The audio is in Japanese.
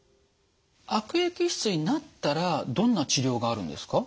悪液質になったらどんな治療があるんですか？